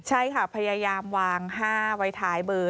ใช่ค่ะพยายามวาง๕ไว้ท้ายเบอร์